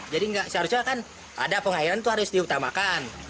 jadi nggak seharusnya kan ada pengairan itu harus diutamakan